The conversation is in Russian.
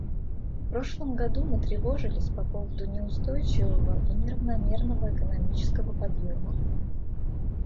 В прошлом году мы тревожились по поводу неустойчивого и неравномерного экономического подъема.